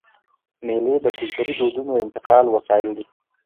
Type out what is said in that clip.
مېلې د کلتوري دودونو د انتقال وسایل دي.